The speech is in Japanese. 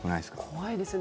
怖いですね。